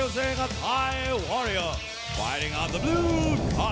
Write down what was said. ชันเบียนชันลอร์ด